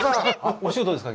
お仕事ですか？